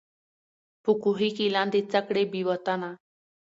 په کوهي کي لاندي څه کړې بې وطنه